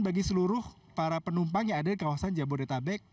bagi seluruh para penumpang yang ada di kawasan jabodetabek